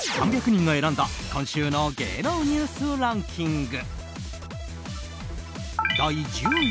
３００人が選んだ今週の芸能ニュースランキング。